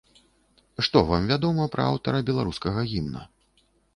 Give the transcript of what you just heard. Што вам вядома пра аўтара беларускага гімна?